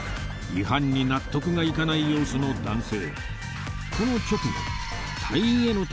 違反に納得がいかない様子の男性